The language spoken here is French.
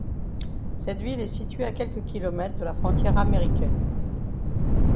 Cette ville est située à quelques kilomètres de la frontière américaine.